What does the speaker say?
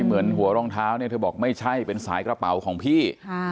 เหมือนหัวรองเท้าเนี่ยเธอบอกไม่ใช่เป็นสายกระเป๋าของพี่